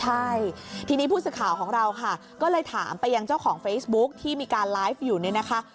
ใช่ทีนี้ผู้สื่อข่าวของเราค่ะก็เลยถามไปยังเจ้าของเฟซบุ๊คที่มีการไลฟ์อยู่เนี่ยนะคะ